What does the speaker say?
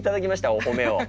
お褒めを。